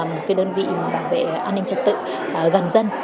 một đơn vị bảo vệ an ninh trật tự gần dân